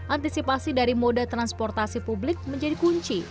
antisipasi dari moda transportasi publik menjadi kunci